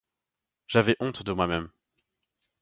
J’avais honte de moi-même.